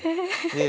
え。